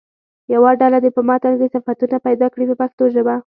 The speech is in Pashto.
یوه ډله دې په متن کې صفتونه پیدا کړي په پښتو ژبه.